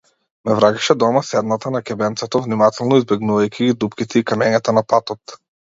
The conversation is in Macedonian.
Ме враќаше дома седната на ќебенцето, внимателно избегнувајќи ги дупките и камењата на патот.